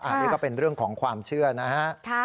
อันนี้ก็เป็นเรื่องของความเชื่อนะฮะ